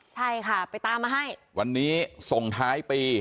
ใช่ค่ะไปตามมาให้วันนี้ส่งท้ายปี